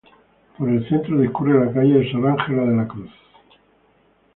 Por el centro discurre la calle de Sor Ángela de la Cruz.